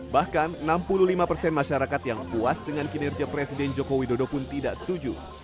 bahkan enam puluh lima persen masyarakat yang puas dengan kinerja presiden joko widodo pun tidak setuju